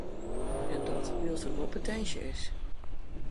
En dat wylst der wol potinsje is.